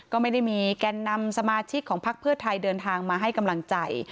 ก็ไม่ได้มีแกนนำสมาชิกของพักเพื่อไทยเดินทางมาให้กำลังใจ